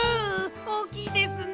おおきいですね！